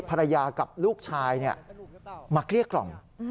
ภรรยากับลูกชายมาเกลี้ยกล่อม